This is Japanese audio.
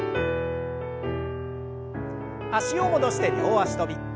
脚を戻して両脚跳び。